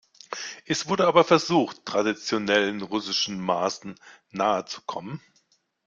Es wurde aber versucht, traditionellen russischen Maßen nahezukommen.